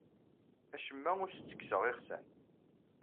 Acemma ur as-ttekkseɣ iɣsan.